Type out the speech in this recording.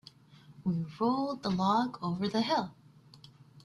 We rolled the log over the hill.